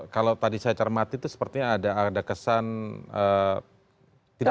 kalau tadi saya cermati itu sepertinya ada kesimpulan